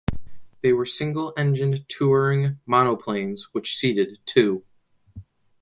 They were single-engined touring monoplanes which seated two.